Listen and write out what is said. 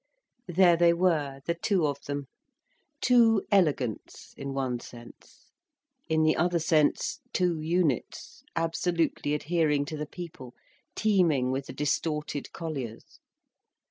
There they were, the two of them: two elegants in one sense: in the other sense, two units, absolutely adhering to the people, teeming with the distorted colliers.